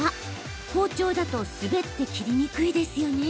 包丁だと滑って切りにくいですよね。